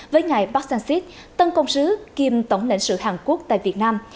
với ngài park sang sik tân công sứ kiêm tổng lãnh sự hàn quốc tại việt nam